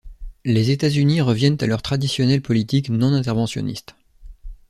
Les États-Unis reviennent à leur traditionnelle politique non-interventionniste.